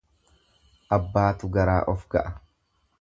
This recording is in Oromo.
Abbaatu garaa of ga'a.